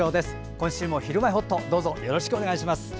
今週も「ひるまえほっと」どうぞよろしくお願いします。